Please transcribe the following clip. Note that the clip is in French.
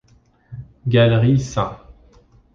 Galerie St.